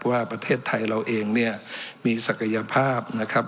ว่าประเทศไทยเราเองเนี่ยมีศักยภาพนะครับ